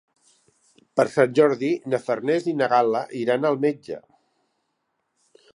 Per Sant Jordi na Farners i na Gal·la iran al metge.